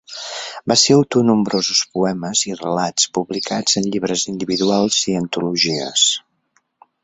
Va ser autor nombrosos poemes i relats, publicats en llibres individuals i antologies.